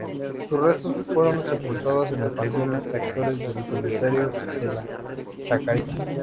Sus restos fueron sepultados en el Panteón de Actores del Cementerio de la Chacarita.